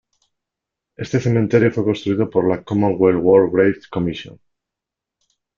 Este cementerio fue construido por la "Commonwealth War Graves Commission".